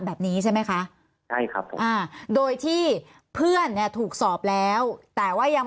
แบบนี้ใช่ไหมคะใช่ครับผมอ่าโดยที่เพื่อนเนี่ยถูกสอบแล้วแต่ว่ายัง